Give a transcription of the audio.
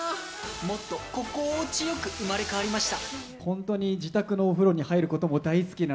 もっと心地よく生まれ変わりました。